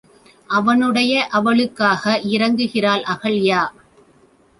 அவனுடைய அவளுக்காக இரங்குகிறாள் அகல்யா.